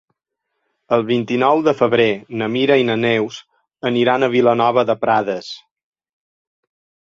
El vint-i-nou de febrer na Mira i na Neus aniran a Vilanova de Prades.